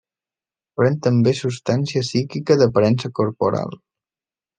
Pren també substància psíquica d'aparença corporal.